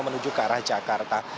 menuju ke arah jakarta